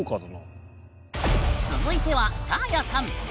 続いてはサーヤさん。